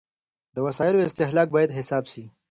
د وسايلو استهلاک بايد حساب سي.